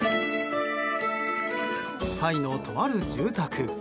タイのとある住宅。